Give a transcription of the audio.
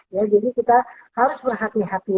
ya jadi kita harus berhati hati